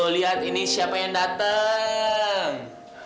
lihat ini siapa yang datang